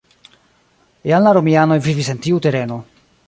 Jam la romianoj vivis en tiu tereno.